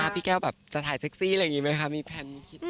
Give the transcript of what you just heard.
พี่แก้วจะถ่ายเซ็กซี่อะไรแบบนี้ไหมคะ